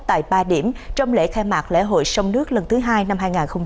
tại ba điểm trong lễ khai mạc lễ hội sông nước lần thứ hai năm hai nghìn hai mươi